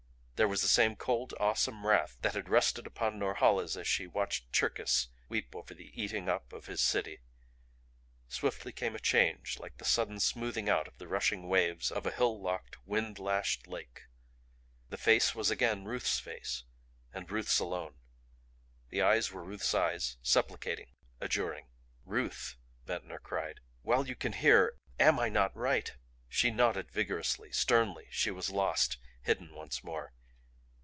There was the same cold, awesome wrath that had rested upon Norhala's as she watched Cherkis weep over the eating up of his city. Swiftly came a change like the sudden smoothing out of the rushing waves of a hill locked, wind lashed lake. The face was again Ruth's face and Ruth's alone; the eyes were Ruth's eyes supplicating, adjuring. "Ruth!" Ventnor cried. "While you can hear am I not right?" She nodded vigorously, sternly; she was lost, hidden once more.